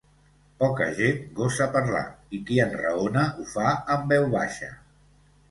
Poca gent gosa parlar i qui enraona ho fa en veu baixa.